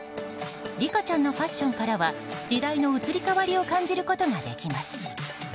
リカちゃんのファッションからは時代の移り変わりを感じることができます。